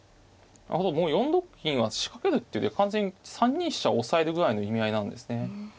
もう４六銀は仕掛けるっていうよりは完全に３二飛車を押さえるぐらいの意味合いなんですね。